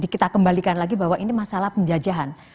kita kembalikan lagi bahwa ini masalah penjajahan